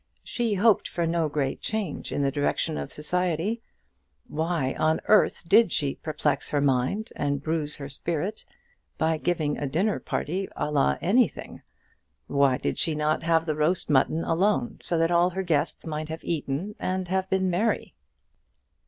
She hoped for no great change in the direction of society. Why on earth did she perplex her mind and bruise her spirit, by giving a dinner à la anything? Why did she not have the roast mutton alone, so that all her guests might have eaten and have been merry?